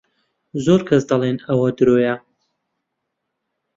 زۆر کەس دەڵێن ئەوە درۆیە.